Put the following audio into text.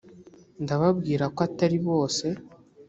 ndababwira ko atari bose